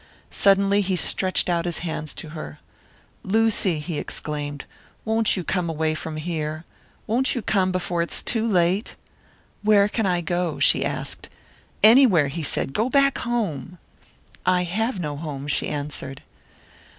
Suddenly he stretched out his hands to her. "Lucy!" he exclaimed. "Won't you come away from here? Won't you come, before it is too late?" "Where can I go?" she asked. "Anywhere!" he said. "Go back home." "I have no home," she answered.